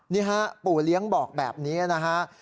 นี่ฮะปู่เลี้ยงบอกแบบนี้นะฮะ